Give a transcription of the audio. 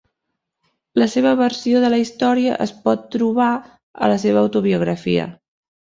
La seva versió de la història es pot trobar a la seva autobiografia.